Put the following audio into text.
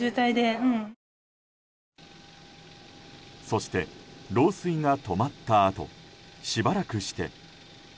そして漏水が止まったあとしばらくして。